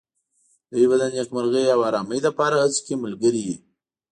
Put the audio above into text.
دوی به د نېکمرغۍ او آرامۍ لپاره هڅو کې ملګري وي.